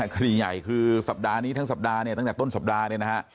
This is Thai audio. คดีใหญ่คือสัปดาห์นี้ทั้งสัปดาห์เนี่ยตั้งแต่ต้นสัปดาห์เนี่ยนะฮะ